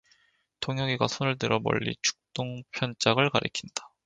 동혁이가 손을 들어 멀리 축동 편짝을 가리킨다.